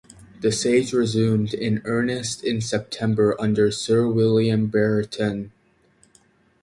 The siege resumed in earnest in September under Sir William Brereton.